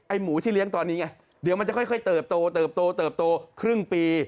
หมูที่เลี้ยงตอนนี้ไงเดี๋ยวมันจะค่อยเติบโตเติบโตเติบโตครึ่งปี